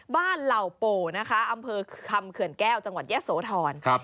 เหล่าโปนะคะอำเภอคำเขื่อนแก้วจังหวัดยะโสธร